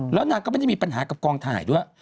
แล้วนางก็ไม่ได้มีปัญหากับกองถ่ายด้วย